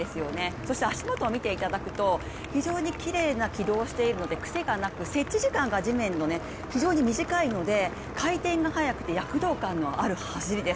そして足元を見ていただくと非常にきれいな軌道をしているのでくせがなく、接地時間が非常に短いので回転が速くて躍動感のある走りです。